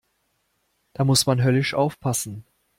Da muss man höllisch aufpassen.